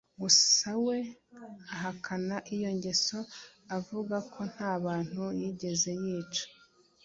gusa we ahakana iyo ngeso avuga ko nta bantu yigeze yica